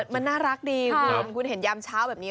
มันน่ารักดีคุณคุณเห็นยามเช้าแบบนี้